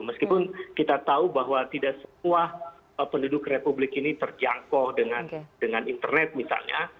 meskipun kita tahu bahwa tidak semua penduduk republik ini terjangkau dengan internet misalnya